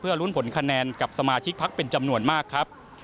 ลุ้นผลคะแนนกับสมาชิกพักเป็นจำนวนมากครับ